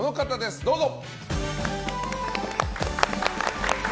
どうぞ！